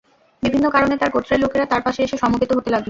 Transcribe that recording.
বিভিন্ন কারণে তার গোত্রের লোকেরা তার পাশে এসে সমবেত হতে লাগল।